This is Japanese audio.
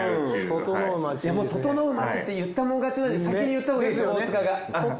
ととのう街って言ったもん勝ちなんで先に言ったほうがいいですよ